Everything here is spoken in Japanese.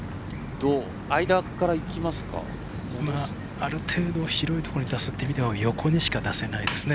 ある程度広いところに出すという意味では横にしか出せないですね。